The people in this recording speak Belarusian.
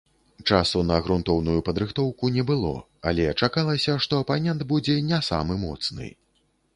Часу на грунтоўную падрыхтоўку не было, але чакалася, што апанент будзе не самы моцны.